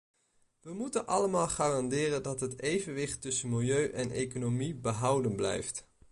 We moeten allemaal garanderen dat het evenwicht tussen milieu en economie behouden blijft.